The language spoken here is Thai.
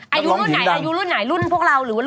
อายุรุ่นไหนรุ่นพวกเราหรือว่ารุ่นเด็กกว่าเรา